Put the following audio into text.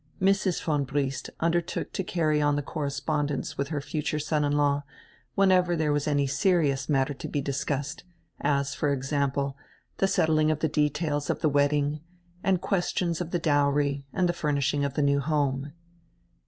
Mrs. von Briest undertook to carry on the correspondence widi her future son in law whenever there was any serious matter to be discussed, as, for example, die settling of die details of die wedding, and questions of die dowry and die furnishing of die new home.